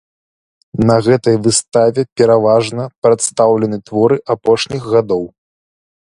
На гэтай выставе пераважна прадстаўлены творы апошніх гадоў.